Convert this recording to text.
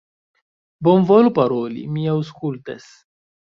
Bonvolu paroli, mi aŭskultas!